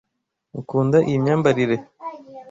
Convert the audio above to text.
Ukunda iyi myambarire?